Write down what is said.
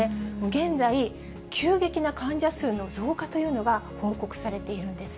現在、急激な患者数の増加というのが報告されているんです。